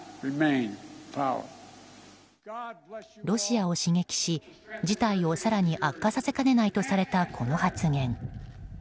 ロシアを刺激し事態を更に悪化させかねないとされたこの発言。